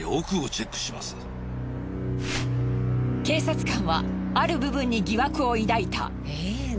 警察官はある部分に疑惑を抱いた。